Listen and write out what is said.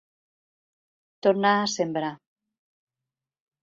Tornar a sembrar.